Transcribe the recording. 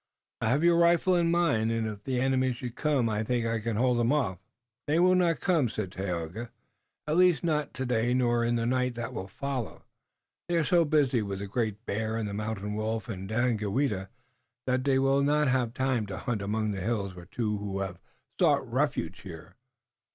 I have your rifle and mine, and if the enemy should come I think I can hold 'em off." "They will not come," said Tayoga, "at least, not today nor in the night that will follow. They are so busy with the Great Bear and the Mountain Wolf and Daganoweda that they will not have time to hunt among the hills for the two who have sought refuge here.